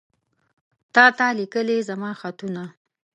تاته ليکلي زما خطونه